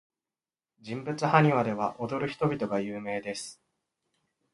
人物埴輪では、踊る人々が有名です。